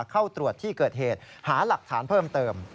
เข้าตรวจที่เกิดเหตุหาหลักฐานเพิ่มเติม